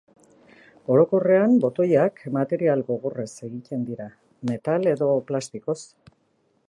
Orokorrean botoiak material gogorrez egiten dira, metal edo plastikoz.